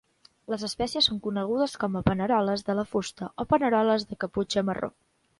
Les espècies són conegudes com a paneroles de la fusta o paneroles de caputxa marró.